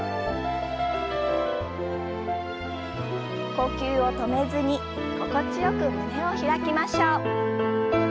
呼吸を止めずに心地よく胸を開きましょう。